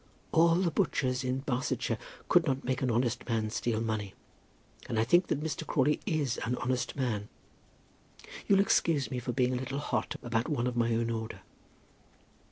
"All the butchers in Barsetshire could not make an honest man steal money, and I think that Mr. Crawley is an honest man. You'll excuse me for being a little hot about one of my own order."